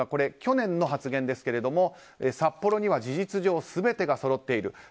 去年の発言ですけれども札幌には事実上すべてがそろっている。